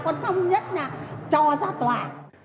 còn không nhất là cho ra tòa